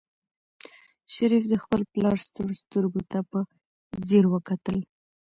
شریف د خپل پلار ستړو سترګو ته په ځیر وکتل.